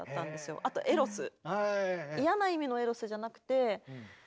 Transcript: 嫌な意味のエロスじゃなくて。